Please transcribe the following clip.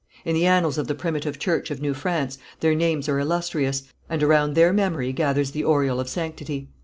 In the annals of the primitive church of New France, their names are illustrious, and around their memory gathers the aureole of sanctity.